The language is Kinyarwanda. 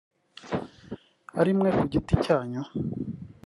ari mwe ku giti cyanyu